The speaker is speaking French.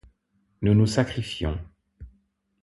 Nous nous sacrifions.